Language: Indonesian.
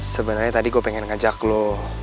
sebenarnya tadi gue pengen ngajak lo